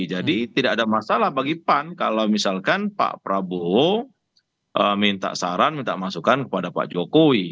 jadi tidak ada masalah bagi pan kalau misalkan pak prabowo minta saran minta masukan kepada pak jokowi